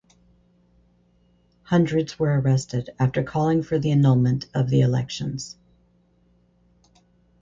Hundreds were arrested after calling for the annulment of the elections.